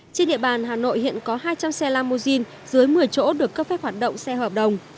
trên địa bàn hà nội hiện có hai trăm linh xe lamousine dưới một mươi chỗ được cấp phép hoạt động xe hợp đồng